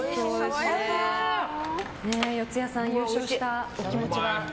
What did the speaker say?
四谷さん優勝したお気持ちは？